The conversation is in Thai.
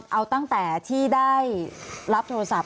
เอาตั้งแต่ที่ได้รับโทรศัพท์